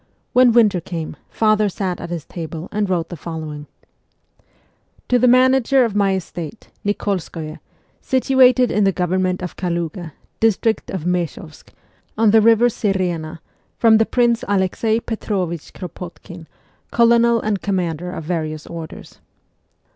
When winter came, father sat at his table and wrote the following :' To the manager of my estate, Nikolskoye, situated in the government of Kaluga, district of Meschovsk, on the river Sirena, from the Prince Alexei Petrovich Kropotkin, Colonel and Commander of various orders.